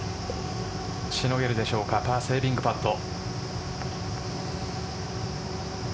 しのげるでしょうかパーセービングパット。